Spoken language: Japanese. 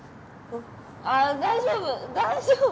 あっ大丈夫大丈夫